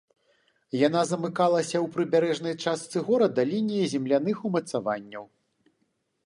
Яна замыкалася ў прыбярэжнай частцы горада лініяй земляных умацаванняў.